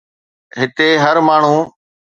هتي هر ماڻهو